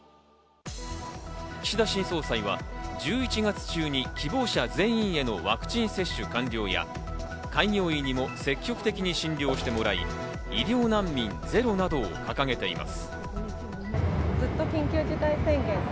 岸田新総裁は１１月中に希望者全員へのワクチン接種完了や開業医にも積極的に診療してもらい医療難民ゼロなどを掲げています。